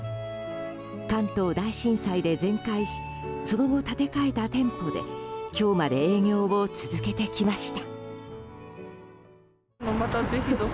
関東大震災で全壊しその後、建て替えた店舗で今日まで営業を続けてきました。